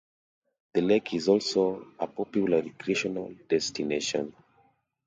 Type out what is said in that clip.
The lake is also a popular recreational destination.